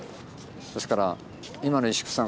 ですから今の石工さん